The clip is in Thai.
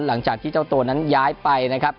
หลังจากที่เจ้าตัวนั้นย้ายไปนะครับ